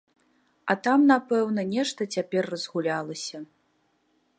А там, напэўна, нешта цяпер разгулялася.